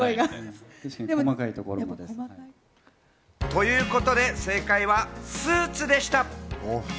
ということで、正解はスーツでした。